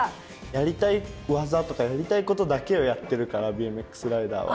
やりたい技とかやりたいことだけをやってるからＢＭＸライダーは。